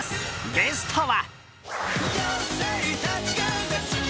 ゲストは。